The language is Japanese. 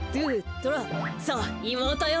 さあいもうとよ